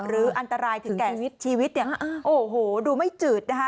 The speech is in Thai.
หรืออันตรายถึงแก่ชีวิตเนี่ยโอ้โหดูไม่จืดนะคะ